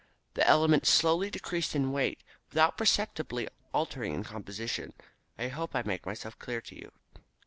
The element slowly decreased in weight, without perceptibly altering in composition. I hope that I make myself clear to you?"